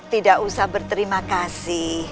tidak usah berterima kasih